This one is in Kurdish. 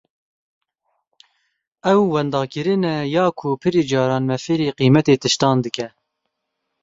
Ew, wendakirin e ya ku pirî caran me fêrî qîmetê tiştan dike.